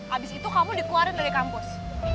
abis itu kamu dikeluarin dari kampus